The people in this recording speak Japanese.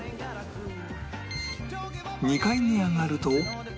２階に上がると